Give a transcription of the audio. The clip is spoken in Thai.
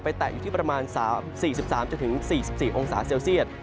แตะอยู่ที่ประมาณ๔๓๔๔องศาเซลเซียต